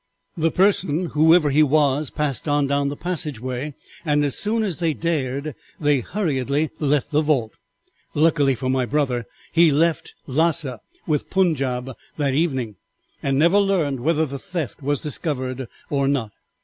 The person, whoever he was, passed on down the passageway, and as soon as they dared they hurriedly left the vault. Luckily for my brother he left Lassa with the Punjaub that evening, and never learned whether the theft was discovered or not.